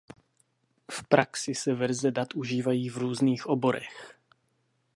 V praxi se verze dat užívají v různých oborech.